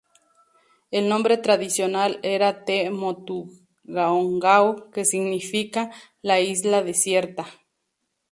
El nombre tradicional era "Te Motu-ngaongao" que significa 'la isla desierta'.